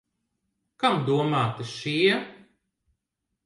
Kam domāti šie?